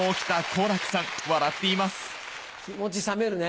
気持ち冷めるね。